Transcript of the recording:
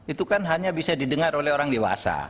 itu kan hanya bisa didengar oleh orang dewasa